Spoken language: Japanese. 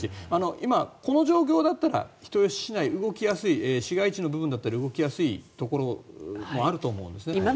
今、この状況だったら人吉市内動きやすい市街地の部分だったら動きやすいところもあると思うんですね。